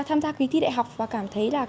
tham gia kỳ thi đại học và cảm thấy là